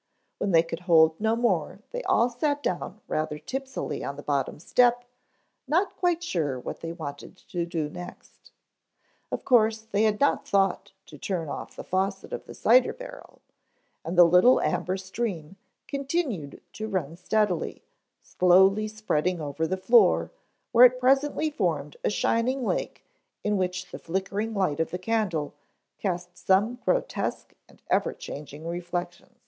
When they could hold no more they all sat down rather tipsily on the bottom step, not quite sure what they wanted to do next. Of course they had not thought to turn off the faucet of the cider barrel, and the little amber stream continued to run steadily, slowly spreading over the floor, where it presently formed a shining lake in which the flickering light of the candle cast some grotesque and ever changing reflections.